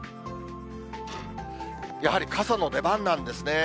やはり傘の出番なんですね。